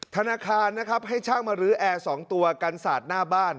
ธนาคารนะครับให้ช่างมาลื้อแอร์๒ตัวกันสาดหน้าบ้าน